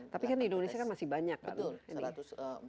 tapi kan di indonesia kan masih banyak kan